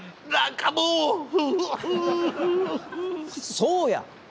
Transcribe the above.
そうや！